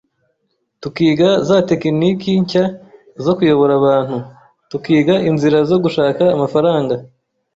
tukiga za tekiniki nshya zo kuyobora abantu, tukiga inzira zo gushaka amafaranga